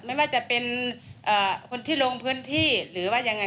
ไม่ว่าจะเป็นคนที่ลงพื้นที่หรือว่ายังไง